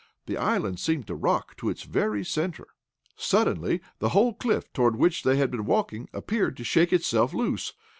The island seemed to rock to its very centre. Suddenly the whole cliff toward which they had been walking, appeared to shake itself loose.